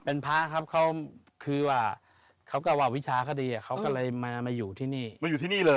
เป็นพาครับเขาคือว่าเขาก็ว่าวิชาเขาดีเขาก็เลยมาอยู่ที่นี่